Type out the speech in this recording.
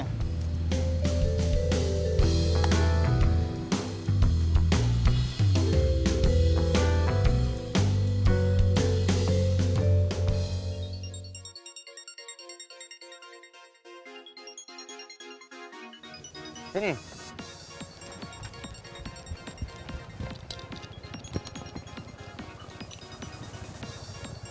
terima kasih buat informasinya